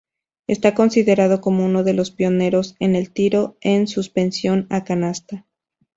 Está considerado como uno de los pioneros en el tiro en suspensión a canasta.